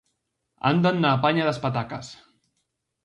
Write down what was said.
Andan na apaña das patacas.